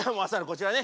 こちらね。